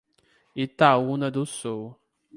Itaúna do Sul